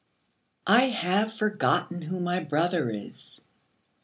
*^ I have forgotten who my brother is.